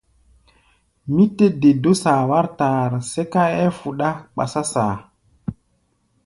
Mí tɛ́ de dó saa wár taar, sɛ́ká ɛ́ɛ́ fuɗá kpasá saa.